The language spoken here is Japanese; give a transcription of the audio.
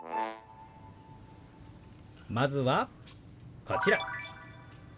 まずはこちら。